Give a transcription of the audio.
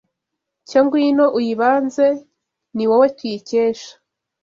Cyo ngwino uyibanze Ni wowe tuyikesha